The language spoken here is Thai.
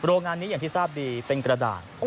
เพราะว่าบรวงงานนี้เป็นกระดาศ